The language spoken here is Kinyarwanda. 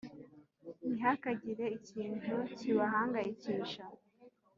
ntihakagire ikintu kibahangayikisha